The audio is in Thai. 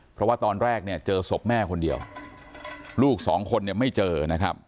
เพราะว่าตอนแรกเนี่ยเจอศพแม่คนเดียวลูกสองคนเนี่ยไม่เจอนะครับ